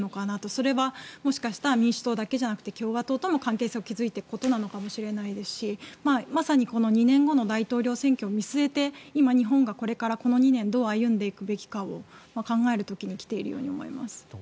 それはもしかしたら民主党だけじゃなくて共和党とも関係性を築いていくことなのかもしれないですしまさに２年後の大統領選挙を見据えて今、日本がこれからこの２年どう歩むかを考えるべき時に来ていると思います。